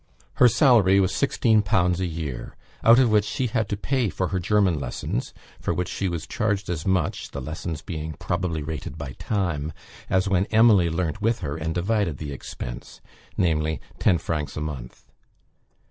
Her salary was 16_l_. a year; out of which she had to pay for her German lessons, for which she was charged as much (the lessons being probably rated by time) as when Emily learnt with her and divided the expense, viz., ten francs a month.